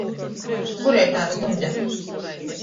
Kurei tān stuņde?